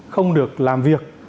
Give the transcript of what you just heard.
không được làm việc